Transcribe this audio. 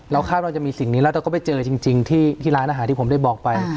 คาดว่าจะมีสิ่งนี้แล้วเราก็ไปเจอจริงที่ร้านอาหารที่ผมได้บอกไป